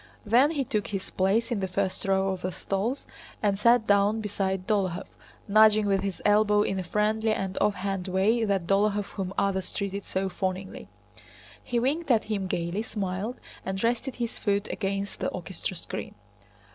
Then he took his place in the first row of the stalls and sat down beside Dólokhov, nudging with his elbow in a friendly and offhand way that Dólokhov whom others treated so fawningly. He winked at him gaily, smiled, and rested his foot against the orchestra screen.